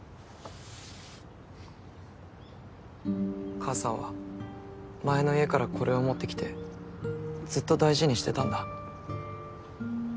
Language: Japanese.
母さんは前の家からこれを持ってきてずっと大事にしてたんだ。